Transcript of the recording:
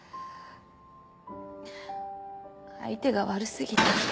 相手が悪すぎた。